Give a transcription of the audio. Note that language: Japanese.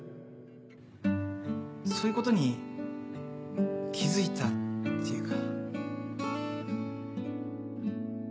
そういうことに気付いたっていうか。